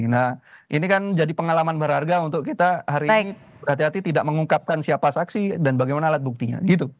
nah ini kan jadi pengalaman berharga untuk kita hari ini hati hati tidak mengungkapkan siapa saksi dan bagaimana alat buktinya gitu